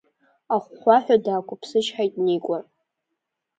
Ахәхәаҳәа даақәыԥсычҳаит Никәа.